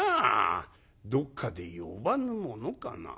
どっかで呼ばぬものかな」。